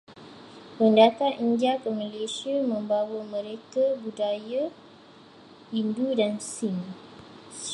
Pendatang India ke Malaysia membawa mereka budaya Hindu dan Sikh.